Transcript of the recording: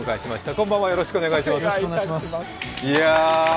こんばんは、よろしくお願いします。